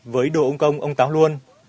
với đồ ông công ông táo luôn